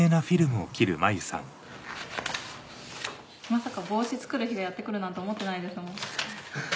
まさか帽子作る日がやって来るなんて思ってないですもん。